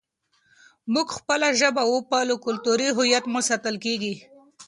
موږ خپله ژبه وپالو، کلتوري هویت مو ساتل کېږي.